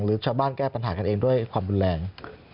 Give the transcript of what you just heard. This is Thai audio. หรือชาวบ้านแก้ปัญหากันเองด้วยความรุนแรง